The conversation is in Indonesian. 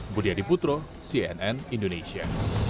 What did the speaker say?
budi adiputro cnn indonesia